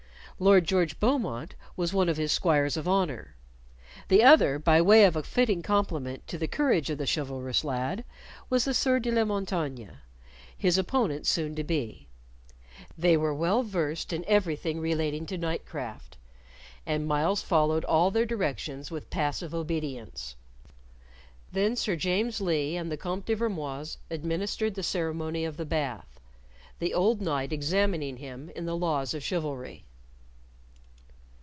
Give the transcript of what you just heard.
Lord George Beaumont was one of his squires of honor; the other, by way of a fitting complement to the courage of the chivalrous lad, was the Sieur de la Montaigne, his opponent soon to be. They were well versed in everything relating to knightcraft, and Myles followed all their directions with passive obedience. Then Sir James Lee and the Comte de Vermoise administered the ceremony of the Bath, the old knight examining him in the laws of chivalry.